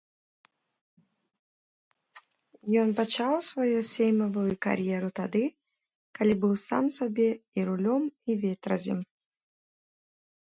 Ён пачаў сваю сеймавую кар'еру тады, калі быў сам сабе і рулём, і ветразем.